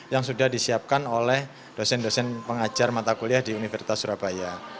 yang sudah disiapkan oleh dosen dosen pengajar mata kuliah di universitas surabaya